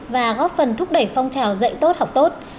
và góp phần thúc đẩy phong trào dạy tốt học tốt